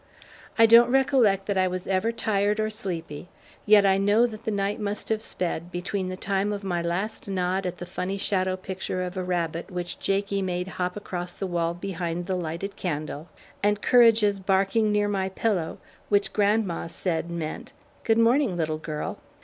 I don't recollect that I was ever tired or sleepy, yet I know that the night must have sped, between the time of my last nod at the funny shadow picture of a rabbit which Jakie made hop across the wall behind the lighted candle, and Courage's barking near my pillow, which grandma said meant, "Good morning, little girl!"